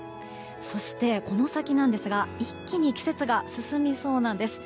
そして、この先なんですが一気に季節が進みそうなんです。